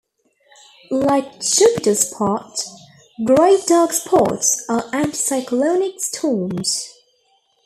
Like Jupiter's spot, Great Dark Spots are anticyclonic storms.